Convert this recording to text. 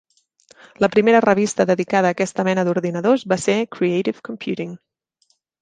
La primera revista dedicada a aquesta mena d'ordinadors va ser "Creative Computing".